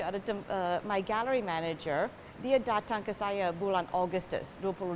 manajer galeriku datang ke saya bulan agustus dua puluh dua